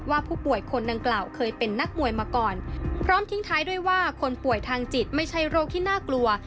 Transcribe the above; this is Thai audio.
ว่าผู้ป่วยคนดังกล่าวเคยเป็นนักมวยมาก่อนพร้อมทิ้งท้ายด้วยว่าคนป่วยทางจิตไม่ใช่โรคที่น่ากลัว